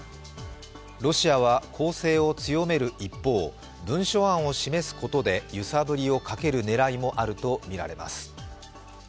ロシアは攻勢を強める一方文書案を示すことで揺さぶりをかける狙いもあるとみられています。